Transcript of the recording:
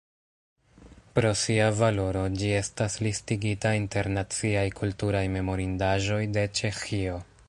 Pro sia valoro ĝi estas listigita inter Naciaj kulturaj memorindaĵoj de Ĉeĥio.